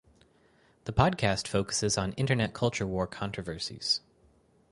The podcast focuses on internet culture war controversies.